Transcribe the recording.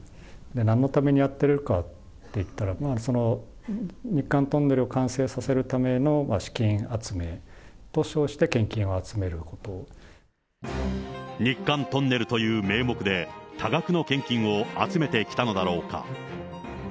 なんのためにやってるかっていったら、まあ、日韓トンネルを完成させるための資金集めと称して献金を集めるこ日韓トンネルという名目で、多額の献金を集めてきたのだろうか。